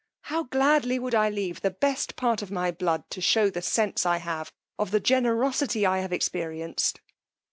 how gladly would I leave the best part of my blood to shew the sense I have of the generosity I have experienced.